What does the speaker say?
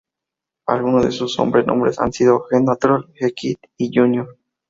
Algunos de sus sobrenombres han sido The Natural, The Kid, y Junior.